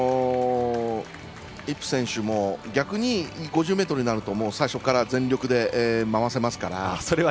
イップ選手も逆に５０ｍになると最初から全力で回せますから。